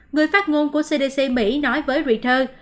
người phát ngôn của cdc mỹ nói với reuters